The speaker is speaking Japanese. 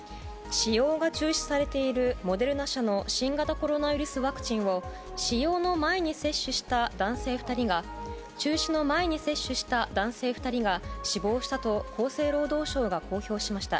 使用が中止されているモデルナ社の新型コロナウイルスワクチンを中止の前に接種した男性２人が死亡したと厚生労働省が公表しました。